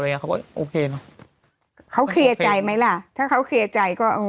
อะไรอย่างนี้เขาก็โอเคเนอะเขาเคลียร์ใจไหมล่ะถ้าเขาเคลียร์ใจก็